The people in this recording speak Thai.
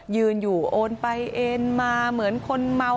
ยืนอยู่โอนไปโอนมาเหมือนคนเมา